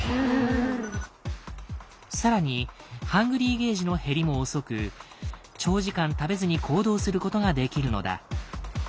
更に「ＨＵＮＧＲＹ」ゲージの減りも遅く長時間食べずに行動することができるのだ。